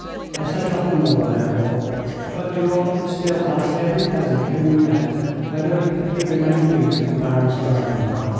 I said nothing more, therefore, but Duroc would still ask every peasant whom we met whether he could give him any news of the Baron Straubenthal.